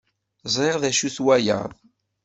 Ẓriɣ d acu-t waya.